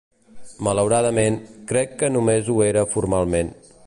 Malauradament, crec que només ho és formalment.